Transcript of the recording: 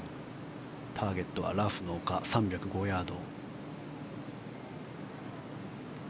ターゲットはラフの丘３０５ヤード。